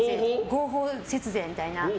合法節税みたいな。